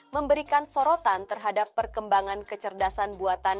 memberikan sorotan terhadap perkembangan kecerdasan buatan